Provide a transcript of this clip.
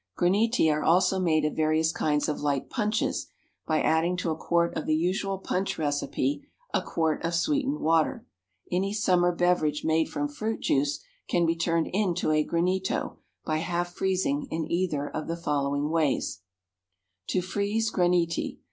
Graniti are also made of various kinds of light punches by adding to a quart of the usual punch recipe a quart of sweetened water. Any summer beverage made from fruit juice can be turned into a granito, by half freezing, in either of the following ways: _To Freeze Graniti.